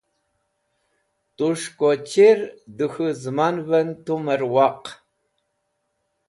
Tus̃h ko chir dẽ k̃hũ zẽmanvẽn tumẽr waq.